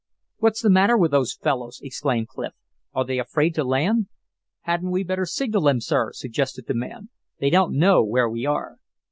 "What's the matter with those fellows?" exclaimed Clif. "Are they afraid to land?" "Hadn't we better signal them, sir?" suggested the man. "They don't know where we are."